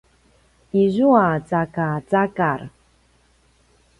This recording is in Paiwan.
izua “cakacakar”